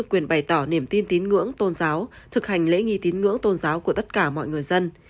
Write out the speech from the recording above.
quyền bày tỏ niềm tin tín ngưỡng tôn giáo thực hành lễ nghi tín ngưỡng tôn giáo của tất cả mọi người dân